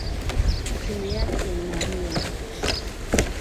Simu yake inalia.